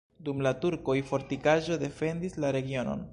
Dum la turkoj fortikaĵo defendis la regionon.